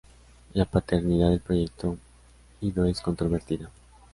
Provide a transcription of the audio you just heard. La paternidad del proyecto Ido es controvertida.